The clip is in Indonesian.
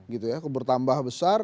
gitu ya bertambah bersihnya